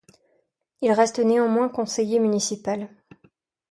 Il reste néanmoins conseiller municipal.